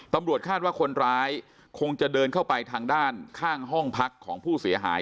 ตำรวจคาดว่าคนร้ายคงจะเดินเข้าไปทางด้านข้างห้องพักของผู้เสียหาย